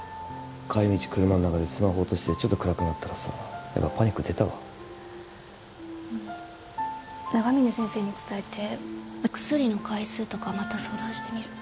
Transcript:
帰り道車ん中でスマホ落としてちょっと暗くなったらさやっぱパニック出たわ長峰先生に伝えてお薬の回数とかまた相談してみる